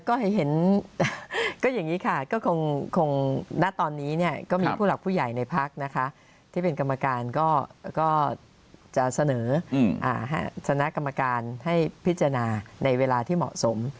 ก็เห็นก็อย่างนี้ค่ะก็คงณตอนนี้เนี่ยก็มีผู้หลักผู้ใหญ่ในพักนะคะที่เป็นกรรมการก็จะเสนอคณะกรรมการให้พิจารณาในเวลาที่เหมาะสม